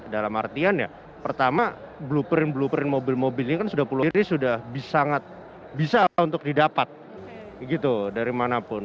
dalam artian ya pertama blueprint blueprint mobil mobil ini kan sudah puluh ini sudah sangat bisa untuk didapat gitu dari manapun